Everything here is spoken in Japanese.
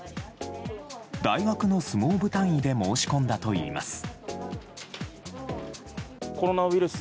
大学の相撲部単位で申し込んだといいます。